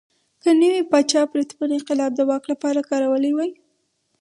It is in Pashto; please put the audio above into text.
که نوي پاچا پرتمین انقلاب د واک لپاره کارولی وای.